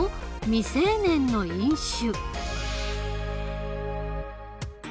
未成年の飲酒」。